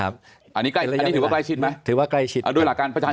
อันนี้ถือว่าใกล้ชิดไหม